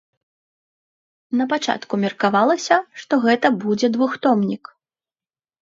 Напачатку меркавалася, што гэта будзе двухтомнік.